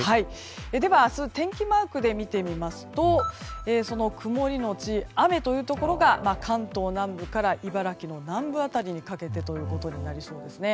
明日、天気マークで見てみますとその曇りのち雨というところが関東南部から茨城の南部辺りにかけてとなりそうですね。